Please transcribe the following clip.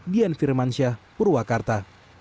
dian firmansyah purwakarta